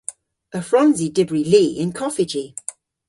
Y hwrons i dybri li yn koffiji.